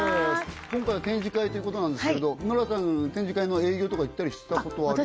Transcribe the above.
今回は展示会ということなんですけれどノラちゃん展示会の営業とか行ったりしたことはある？